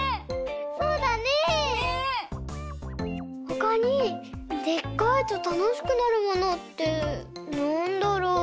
ほかにでっかいとたのしくなるものってなんだろう？